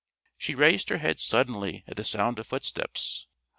She raised her head suddenly at the sound of footsteps.